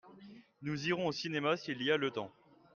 nous irons au cinéma s'il y a le temps.